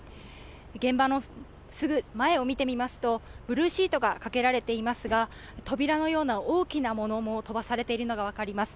現場のすぐ前を見てみますとブルーシートがかけられていますが扉のような大きなものも飛ばされているのが分かります。